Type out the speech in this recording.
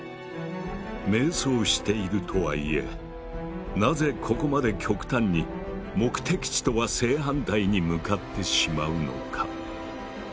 迷走しているとはいえなぜここまで極端に目的地とは正反対に向かってしまうのか？